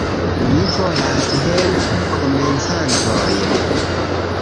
Mi volas helpi komencantojn